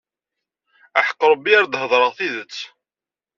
Aḥeqq Rebbi ar d-heddṛeɣ tidet